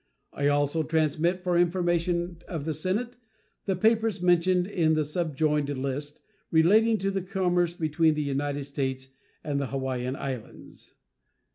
I also transmit, for the information of the Senate, the papers mentioned in the subjoined list, relating to the commerce between the United States and the Hawaiian Islands.